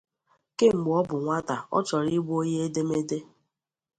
Kemgbe ọ bụ nwata, ọ chọrọ ịbụ onye edemede.